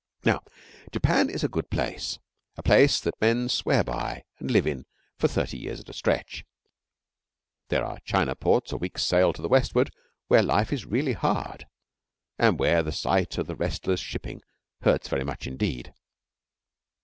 Now Japan is a good place, a place that men swear by and live in for thirty years at a stretch. There are China ports a week's sail to the westward where life is really hard, and where the sight of the restless shipping hurts very much indeed.